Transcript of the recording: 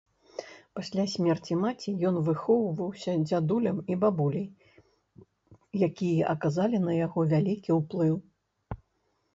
Пасля смерці маці ён выхоўваўся дзядулем і бабуляй, якія аказалі на яго вялікі ўплыў.